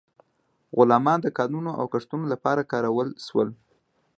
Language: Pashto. غلامان د کانونو او کښتونو لپاره کارول شول.